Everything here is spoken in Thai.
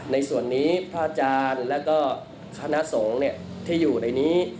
ในส่วนนี้พระอาจารย์แล้วก็คณะสงฆ์ที่อยู่ในนี้